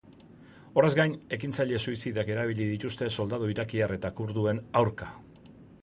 Horrez gain, ekintzaile suizidak erabili dituzte soldadu irakiar eta kurduen aurka.